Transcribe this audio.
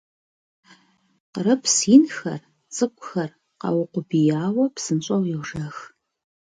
Къырыпс инхэр, цӀыкӀухэр къэукъубияуэ, псынщӀэу йожэх.